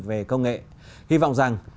về công nghệ hy vọng rằng